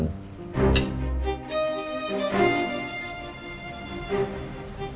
saya udah mencari